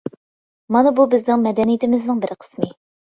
مانا بۇ بىزنىڭ مەدەنىيىتىمىزنىڭ بىر قىسمى.